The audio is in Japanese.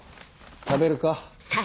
食べるか？